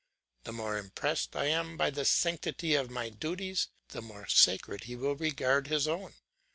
The more impressed I am by the sanctity of my duties, the more sacred he will regard his own.